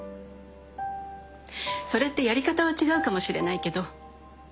それってやり方は違うかもしれないけど